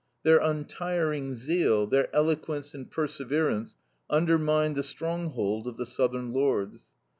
Their untiring zeal, their eloquence and perseverance undermined the stronghold of the Southern lords.